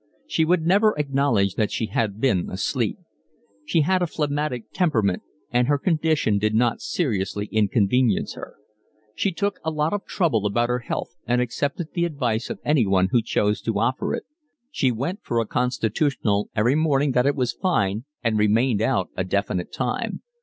She would never acknowledge that she had been asleep. She had a phlegmatic temperament, and her condition did not seriously inconvenience her. She took a lot of trouble about her health and accepted the advice of anyone who chose to offer it. She went for a 'constitutional' every morning that it was fine and remained out a definite time.